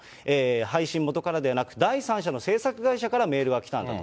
配信元からではなく、第三者の制作会社からメールが来たんだと。